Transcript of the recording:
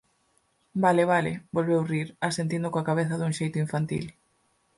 Vale, vale –volveu rir, asentindo coa cabeza dun xeito infantil–.